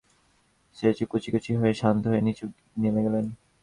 সে ছবিটি কুচিকুচি করে দিয়ে শান্ত হয়ে নিচে নেমে গেল।